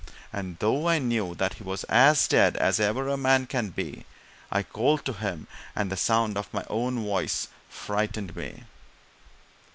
And though I knew that he was as dead as ever a man can be, I called to him, and the sound of my own voice frightened me.